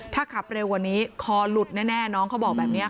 ถ้าขับเร็วกว่านี้คอหลุดแน่น้องเขาบอกแบบนี้ค่ะ